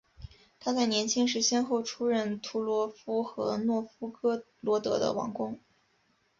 他在年轻时先后出任图罗夫和诺夫哥罗德的王公。